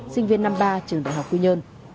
sinh viên năm ba trường đại học quy nhơn